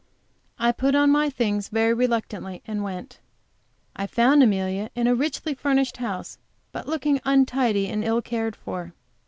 I put on my things very reluctantly, and went. I found Amelia in a richly furnished house, but looking untidy and ill cared for.